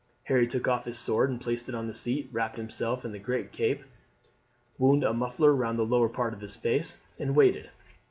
Harry took off his sword and placed it on the seat, wrapped himself in the great cape, wound a muffler round the lower part of his face, and waited.